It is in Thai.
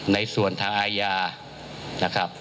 ในส่วนทางอาญานะครับ